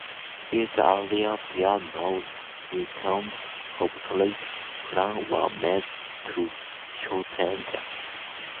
With the earlier piers now rendered obsolete, plans were made to shorten them.